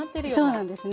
そうなんですね。